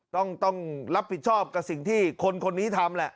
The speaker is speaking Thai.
ต้องรับผิดชอบกับสิ่งที่คนคนนี้ทำแหละ